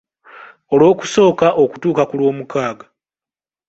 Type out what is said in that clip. Olwokusooka okutuuuka ku Lwomukaaga